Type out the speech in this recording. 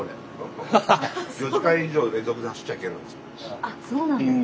あっそうなんですね。